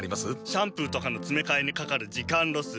シャンプーとかのつめかえにかかる時間ロス。